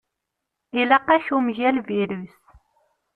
Ilaq-ak umgal-virus.